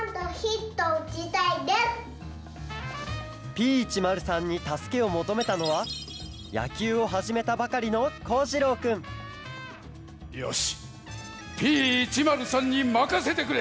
Ｐ１０３にたすけをもとめたのはやきゅうをはじめたばかりのよしＰ１０３にまかせてくれ！